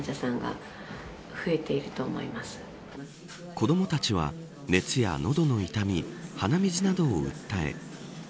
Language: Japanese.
子どもたちは熱や喉の痛み鼻水などを訴え